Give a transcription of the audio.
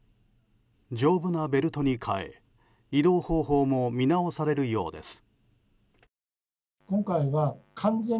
丈夫なベルトに変え移動方法も見直されるようです。